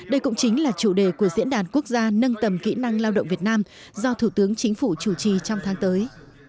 đây cũng chính là chủ đề của diễn đàn quốc gia nâng tầm kỹ năng lao động việt nam do thủ tướng chính phủ chủ trì trong tháng tới